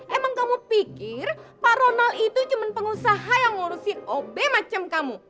emang kamu pikir pak ronald itu cuma pengusaha yang ngurusin obe macam kamu